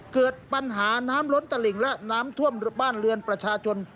เกิดปัญหาน้ำล้นตลิ่งและน้ำท่วมบ้านเรือนประชาชน